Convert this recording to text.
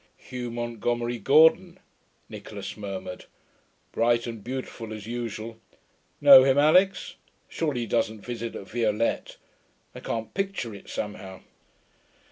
'Hugh Montgomery Gordon,' Nicholas murmured. 'Bright and beautiful as usual. Know him, Alix? Surely he doesn't visit at Violette? I can't picture it, somehow.'